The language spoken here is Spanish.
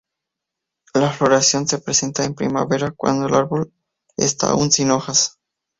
La floración se presentan en primavera cuando el árbol está aún sin hojas.